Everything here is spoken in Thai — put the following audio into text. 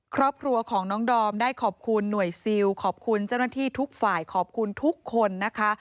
ครอบครัวของน้องดอมได้ขอบคุณหน่วยซิลขอบคุณเจ้าหน้าที่ทุกฝ่ายขอบคุณทุกคนนะคะ